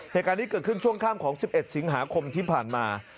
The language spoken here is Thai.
เหตุการณ์นี้เกิดขึ้นช่วงค่ำของ๑๑สิงหาคมที่ผ่านมา